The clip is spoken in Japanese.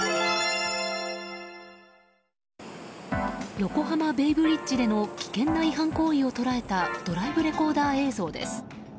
横浜ベイブリッジでの危険な違反行為を捉えたドライブレコーダー映像です。